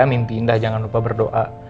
mimpi indah jangan lupa berdoa